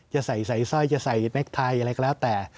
จะใส่สร้อยจะใส่แม็กไทยอะไรก็แล้วแต่